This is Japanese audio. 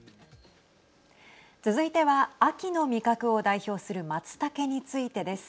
続いては、秋の味覚を代表するまつたけについてです。